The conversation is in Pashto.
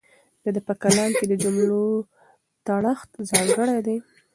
د ده په کلام کې د جملو تړښت ځانګړی دی.